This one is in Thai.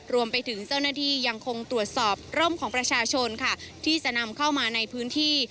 รวมไปถึงเจ้าหน้าที่ยังคงตรวจสอบร่มของประชาชนค่ะที่จะนำเข้ามาในพื้นที่